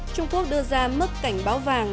trung quốc đưa ra mức cảnh báo vàng